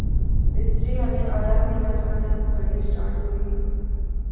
مستری ہالے ایا وی ناسا تے گڈی سٹارٹ ہوئی غئی